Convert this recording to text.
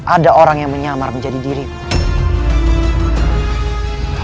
ada orang yang menyamar menjadi diriku